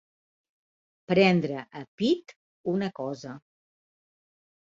Prendre a pit una cosa.